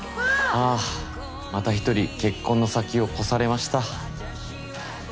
あぁまた１人結婚の先を越されました。